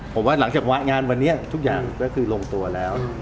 ผมว่าหลังจากงานวันนี้ทุกอย่างก็คือลงตัวแล้ว